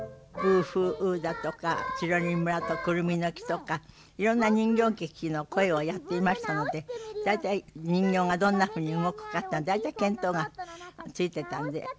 「ブーフーウー」だとか「チロリン村とクルミの木」とかいろんな人形劇の声をやっていましたので大体人形がどんなふうに動くかってのは大体見当がついてたんで